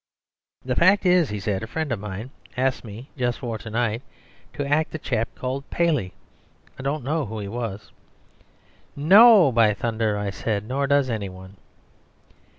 "The fact is," he said, "a friend of mine asked me, just for to night, to act a chap called Paley; I don't know who he was...." "No, by thunder!" I said, "nor does anyone."